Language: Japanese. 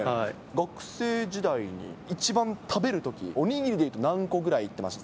学生時代に一番食べるとき、お握りで言うと何個ぐらいいってました？